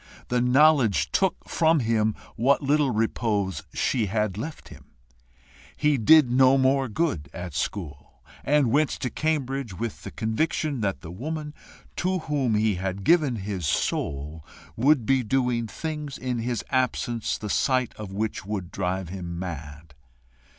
The knowledge took from him what little repose she had left him; he did no more good at school, and went to Cambridge with the conviction that the woman to whom he had given his soul, would be doing things in his absence the sight of which would drive him mad.